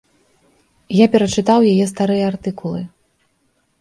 Я перачытаў яе старыя артыкулы.